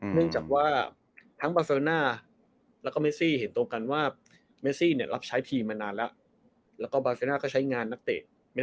เนื่องจากว่าทั้งบาเซโรน่าแล้วก็เมซี่เห็นตรงกันว่าเมซี่เนี่ยรับใช้ทีมมานานแล้วแล้วก็บาเซน่าก็ใช้งานนักเตะ